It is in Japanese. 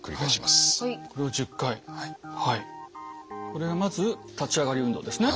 これはまず立ち上がり運動ですね。